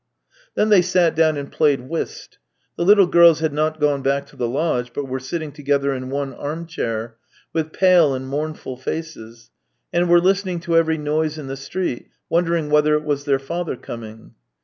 Then they sat down and played w'hist. The little girls had not gone back to the lodge but were sitting together in one arm chair, with pale and mournful faces, and were listening to ev'ery noise in the street, wondering whether it was their father coming.